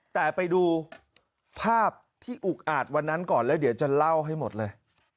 แต่ไปดูภาพที่อุกอาจวันนั้นก่อนแล้วเดี๋ยวจะเล่าให้หมดเลย